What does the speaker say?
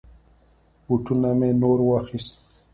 بوټونه می نور واخيست.